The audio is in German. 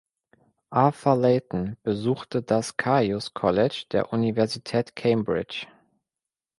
Arthur Leighton besuchte das Caius College der Universität Cambridge.